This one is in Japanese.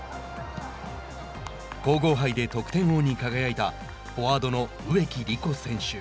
皇后杯で得点王に輝いたフォワードの植木理子選手。